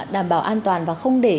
đảm bảo an toàn và không để